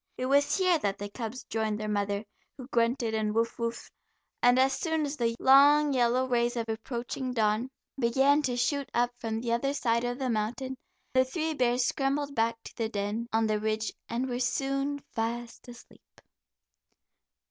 It was here that the cubs joined their mother, who grunted and "woof, woofed," and as soon as the long yellow rays of approaching dawn began to shoot up from the other side of the mountain, the three bears scrambled back to their den on the Ridge, and were soon fast asleep.